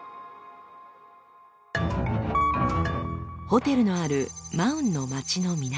ホテルのあるマウンの町の南。